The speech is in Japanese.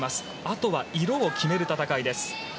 あとは色を決める戦いです。